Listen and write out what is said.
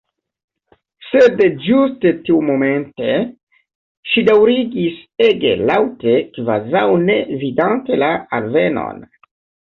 Sed ĝuste tiumomente ŝi daŭrigis ege laŭte, kvazaŭ ne vidante la alvenon.